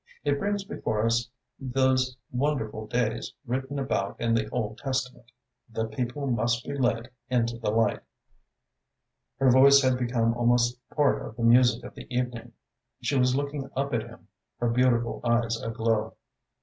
It brings before us those wonderful days written about in the Old Testament the people must be led into the light." Her voice had become almost part of the music of the evening. She was looking up at him, her beautiful eyes aglow.